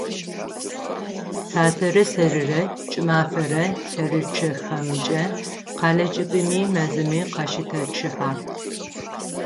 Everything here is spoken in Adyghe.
Татэрэ сэрырэ кӀымафэрэ лъэрычъэхэмкӀэ къэлэ кӀыбыми, мэзми къащытэчъыхьэ.